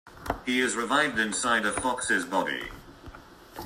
He is revived inside a Fox's body.